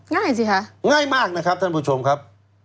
ง่ายสิค่ะบ๊วยบ๊วยบ๊วยง่ายมากนะครับท่านผู้ชมครับ